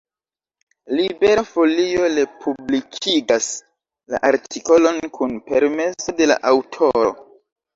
Libera Folio republikigas la artikolon kun permeso de la aŭtoro.